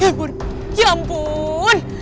ya ampun ya ampun